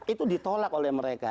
itu ditolak oleh mereka